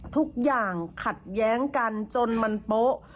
ทุกอย่างขัดแย้งกันจนมันโป๊ะ